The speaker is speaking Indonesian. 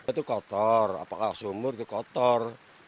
itu kotor apakah sumur itu kotor